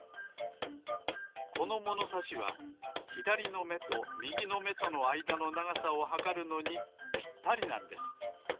このものさしはひだりのめとみぎのめとのあいだのながさをはかるのにぴったりなんです。